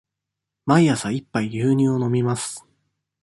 毎朝一杯牛乳を飲みます。